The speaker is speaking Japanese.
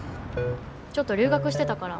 ちょっと留学してたから。